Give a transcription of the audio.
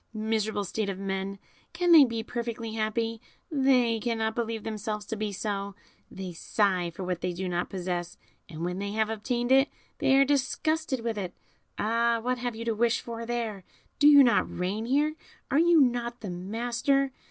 Miserable state of men! Can they be perfectly happy? they cannot believe themselves to be so, they sigh for what they do not possess, and when they have obtained it they are disgusted with it. Ah! what have you to wish for here? do you not reign here? are you not the master?